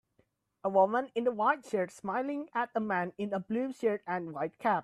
A woman in a white shirt smiling at a man in a blue shirt and white cap.